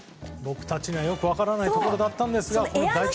僕たちの、よく分からないところだったんですが第１エア。